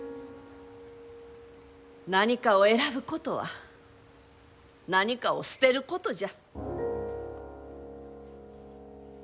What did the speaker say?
何かを選ぶことは何かを捨てることじゃ。